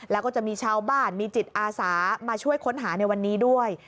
แล้วก็จะมีชาวบ้านมีจิตอาสามาช่วยค้นหาในวันนี้ด้วย